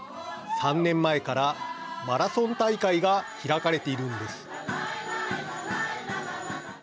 ３年前からマラソン大会が開かれているんです。